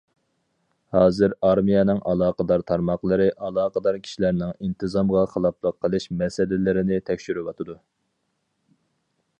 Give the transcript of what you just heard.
ھازىر ئارمىيەنىڭ ئالاقىدار تارماقلىرى ئالاقىدار كىشىلەرنىڭ ئىنتىزامغا خىلاپلىق قىلىش مەسىلىلىرىنى تەكشۈرۈۋاتىدۇ.